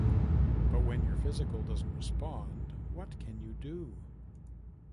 But when your physical doesn't respond, what can you do?